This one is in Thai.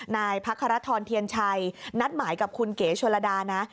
นายพระคารทรเทียนชัยนัดหมายกับคุณเก๋ชนระดานะ